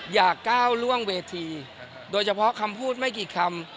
อย่าก้าวล่วงเวทีโดยเฉพาะคำพูดไม่กี่คำ